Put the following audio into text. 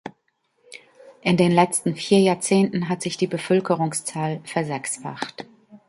In den letzten vier Jahrzehnten hat sich die Bevölkerungszahl versechsfacht.